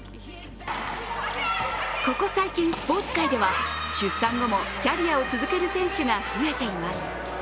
ここ最近、スポーツ界では出産後もキャリアを続ける選手が増えています。